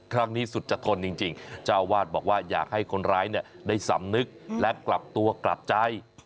สุดจะทนจริงเจ้าวาดบอกว่าอยากให้คนร้ายได้สำนึกและกลับตัวกลับใจ